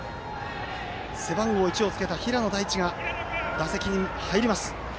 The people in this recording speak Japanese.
背番号１をつけた平野大地が打席に入ります。